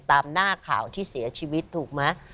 ตามหน้าข่าวที่เสียชีวิตถูกไหม